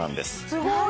すごい。